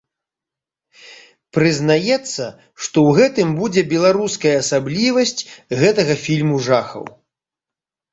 Прызнаецца, што ў гэтым будзе беларуская асаблівасць гэтага фільму жахаў.